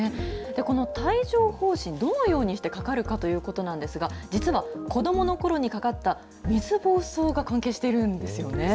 この帯状ほう疹、どのようにしてかかるかということなんですが、実は、子どものころにかかった水ぼうそうが関係しているんですよね。